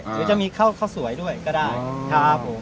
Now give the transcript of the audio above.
หรือจะมีข้าวสวยด้วยก็ได้ครับผม